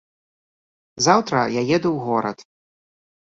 Заўтра я еду ў горад.